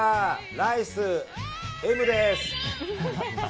ライスＭです！